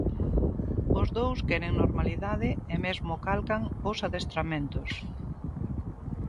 Os dous queren normalidade e mesmo calcan os adestramentos.